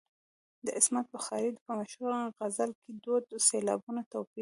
د عصمت بخارايي په مشهور غزل کې د دوو سېلابونو توپیر.